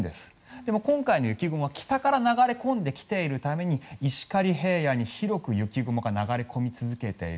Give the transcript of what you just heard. でも、今回の雪雲は北から流れ込んできているために石狩平野に広く雪雲が流れ込み続けている。